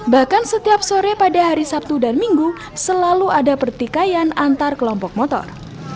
bahkan setiap sore pada hari sabtu dan minggu selalu ada pertikaian antar kelompok motor